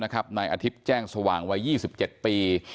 นายอาทิตย์แจ้งสว่างวัย๒๗ปี